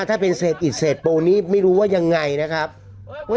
ถ้าเป็นเศษอิดเศษปูนี้ไม่รู้ว่ายังไงนะครับอุ้ย